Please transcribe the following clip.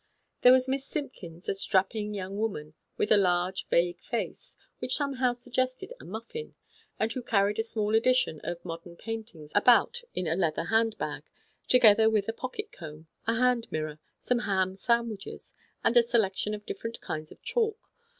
There was Miss Simp kins, a strapping young woman with a large, vague face, which somehow suggested a muf fin, and who carried a small edition of Modem Painters about in a leather hand bag, together with a pocket comb, a hand mirror, some ham sandwiches, and a selection of different kinds of chalk.